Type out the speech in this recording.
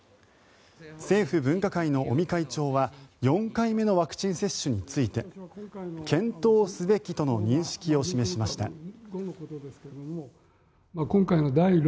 政府分科会の尾身会長は４回目のワクチン接種について検討すべきとの認識を示しました。